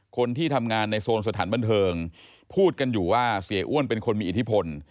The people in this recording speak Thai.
คนที่ทำงานในโซนสถานบันเทิงพูดกันอยู่ว่าเสียอ้วนเป็นคนมีอิทธิพล